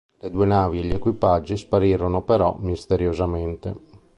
Le due navi e gli equipaggi sparirono però misteriosamente.